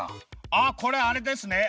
あっこれあれですね。